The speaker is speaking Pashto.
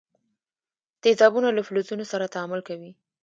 تیزابونه له فلزونو سره تعامل کوي.